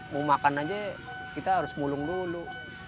mau makan aja kita harus mulung dulu